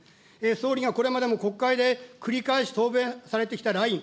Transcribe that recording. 総理がこれまでも国会で繰り返し答弁されてきたライン。